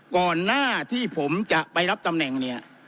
ก่อนหน้าที่ผมจะไปรับตำแหน่งเนี่ย